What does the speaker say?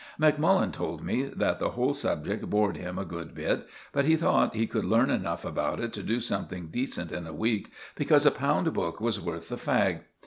Macmullen told me that the whole subject bored him a good bit, but he thought he could learn enough about it to do something decent in a week, because a pound book was worth the fag.